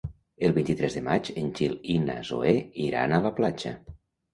El vint-i-tres de maig en Gil i na Zoè iran a la platja.